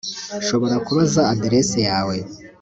Nshobora kubaza adresse yawe